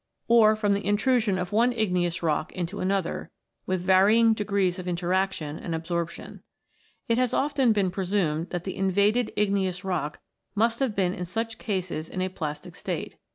or from the intrusion of one igneous rock into another, with varying degrees of interaction and absorption. It has often been presumed that the invaded igneous rock must have been in such cases in a plastic state.